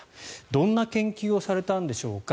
どんな研究をされたんでしょうか。